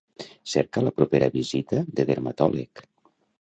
Cerca la propera visita de dermatòleg.